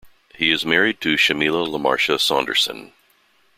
He is married to Sharmeela Lamarsha Saunderson.